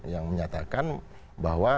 yang menyatakan bahwa